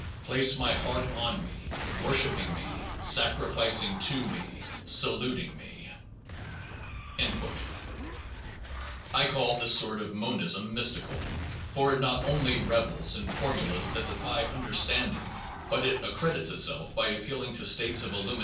... Place thy heart on me, wor shipping me, sacrificing to me, saluting me. 1 I call this sort of monism mystical, for it not only revels in formulas that defy understand ing, 2 but it accredits itself by appealing to states of illumination not vouchsafed to com 1 J. C.